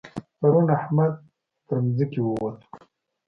پرون احمد تر ځمکې ووت.